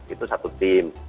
itu satu tim